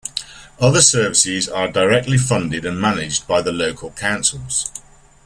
Other services are directly funded and managed by the local councils.